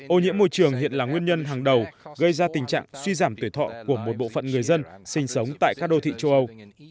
ô nhiễm môi trường hiện là nguyên nhân hàng đầu gây ra tình trạng suy giảm tuổi thọ của một bộ phận người dân sinh sống tại các đô thị châu âu